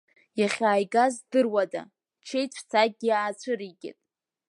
Иахьааигаз здыруада, чеиҵәцакгьы аацәыригеит.